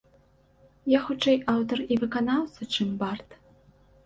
Я хутчэй аўтар і выканаўца, чым бард.